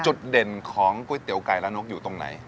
จุดเด่นของก๋วยเตี๋ยไก่ละนกอยู่ตรงไหน